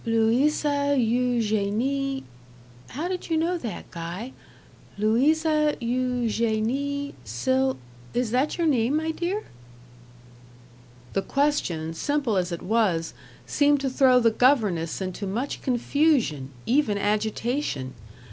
"Louisa Eugenie how did you know that, Guy? Louisa Eugenie Sil is that your name, my dear?" The question, simple as it was, seemed to throw the governess into much confusion, even agitation.